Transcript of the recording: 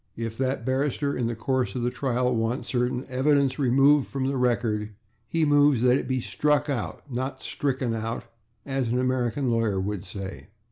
If that barrister, in the course of the trial, wants certain evidence removed from the record, he moves that it be /struck out/, not /stricken out/, as an American lawyer would say.